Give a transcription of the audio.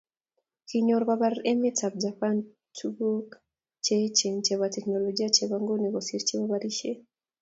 Kinyor kobor emetab Japan tuguk cheechen chebo teknolijia chebo nguni kosiir chebo birishet